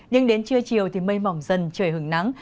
nhưng đến trưa chiều thì mây mỏng dần trời hứng nắng